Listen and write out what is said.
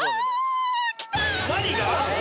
何が？